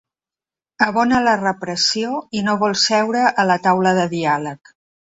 Abona la repressió i no vol seure a la taula de diàleg.